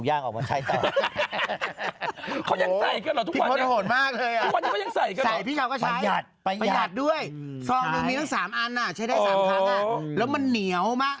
แล้วมันเหนียวมาก